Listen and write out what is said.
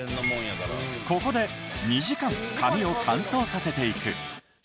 ここで２時間紙を乾燥させていく。